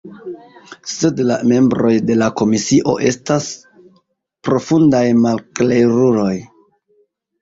Sed la membroj de la komisio estas profundaj malkleruloj.